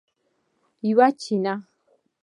یوه چینه